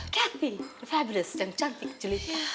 cathy fabulous dan cantik julika